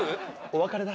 お別れだ。